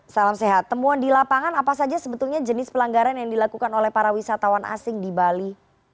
salam sehat temuan di lapangan apa saja sebetulnya jenis pelanggaran yang dilakukan oleh para wisatawan asing di bali